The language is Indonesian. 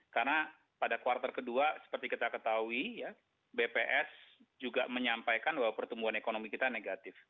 karena pada kuartal kedua seperti kita ketahui bps juga menyampaikan bahwa pertumbuhan ekonomi kita negatif